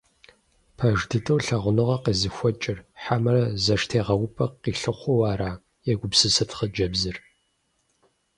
Пэж дыдэу лъагъуныгъэ къезыхуэкӀыр, хьэмэрэ зэштегъэупӀэ къилъыхъуэу ара? – егупсысырт хъыджэбзыр.